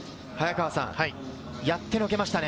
やってのけましたね。